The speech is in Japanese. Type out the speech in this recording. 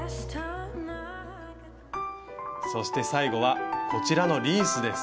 そして最後はこちらのリースです。